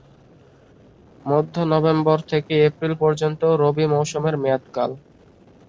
মধ্য-নভেম্বর থেকে এপ্রিল পর্যন্ত রবি মৌসুমের মেয়াদকাল।